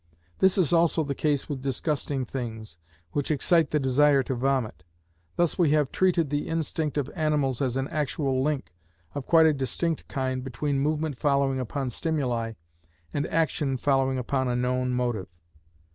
This is also the case with disgusting things, which excite the desire to vomit. Thus we have treated the instinct of animals as an actual link, of quite a distinct kind, between movement following upon stimuli, and action following upon a known motive.